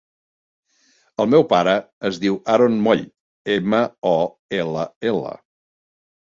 El meu pare es diu Haron Moll: ema, o, ela, ela.